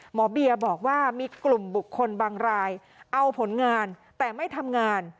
หมอเบียบอกว่ามีกลุ่มบุคคลบางรายเอาผลงานแต่ไม่ทำงาน